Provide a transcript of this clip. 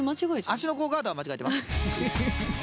足の甲ガードは間違えてます。